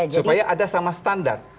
supaya ada sama standar